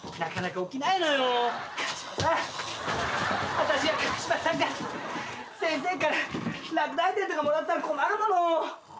私はカワシマさんが先生から落第点とかもらったら困るもの。